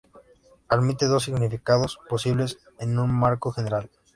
Admite dos significados posibles en un marco general.